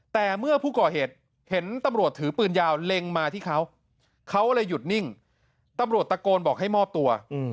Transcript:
แต่เมื่อผู้ก่อเหตุเห็นตำรวจถือปืนยาวเล็งมาที่เขาเลยหยุดนิ่งตำรวจตะโกนบอกให้มอบตัว